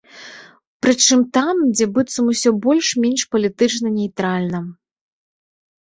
Прычым там, дзе быццам усё больш-менш палітычна нейтральна.